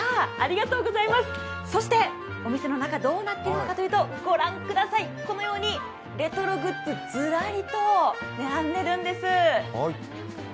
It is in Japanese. そしてお店の中、どうなっているかというと、このようにレトログッズがずらりと並んでいるんです。